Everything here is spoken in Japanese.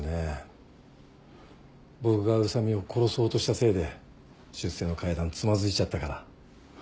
僕が宇佐美を殺そうとしたせいで出世の階段つまずいちゃったから。